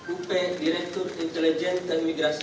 up direktur intelijen dan imigrasi